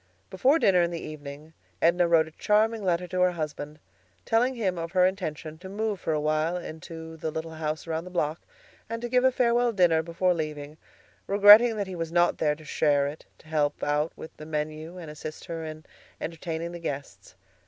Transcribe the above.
Before dinner in the evening Edna wrote a charming letter to her husband, telling him of her intention to move for a while into the little house around the block, and to give a farewell dinner before leaving, regretting that he was not there to share it, to help out with the menu and assist her in entertaining the guests.